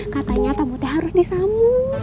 katanya tamu teh harus disamu